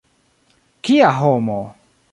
Kia homo!